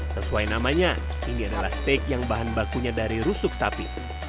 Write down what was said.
sesuai namanya ini adalah steak yang bahan bakunya dari rusuk sapi